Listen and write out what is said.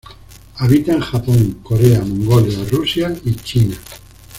Habita en Japón, Corea, Mongolia, Rusia y China.